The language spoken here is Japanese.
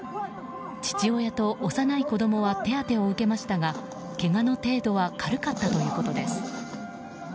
父親と幼い子供は手当てを受けましたがけがの程度は軽かったということです。